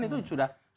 itu sudah jelas